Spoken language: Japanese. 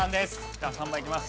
じゃあ３番いきます。